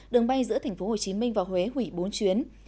đường bay giữa thành phố hồ chí minh và huế hủy bốn chuyến